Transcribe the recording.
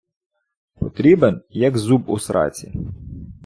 Потрібен як зуб у сраці